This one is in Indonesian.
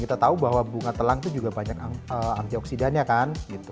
kita tahu bahwa bunga telang itu juga banyak antioksidannya kan